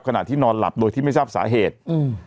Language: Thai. ขณะที่นอนหลับโดยที่ไม่ทราบสาเหตุอืม